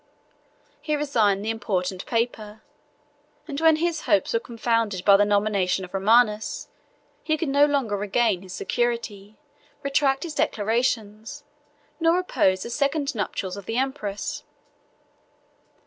He resigned the important paper; and when his hopes were confounded by the nomination of Romanus, he could no longer regain his security, retract his declarations, nor oppose the second nuptials of the empress.